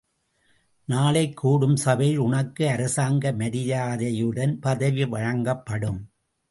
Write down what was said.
நாளைக் கூடும் சபையில், உனக்கு அரசாங்க மரியாதையுடன் பதவி வழங்கப்படும்.